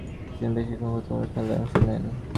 তিনি বেশকিছুসংখ্যক গুরুত্বহীন খেলায় অংশ নেন।